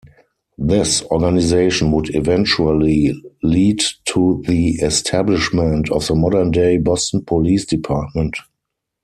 This organization would eventually lead to the establishment of the modern-day Boston Police Department.